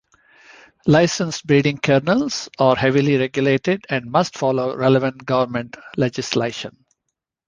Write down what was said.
Licensed breeding kennels are heavily regulated and must follow relevant government legislation.